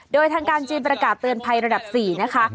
โดยทางการจีนประกาศเตือนภัยระดับ๔นะคะ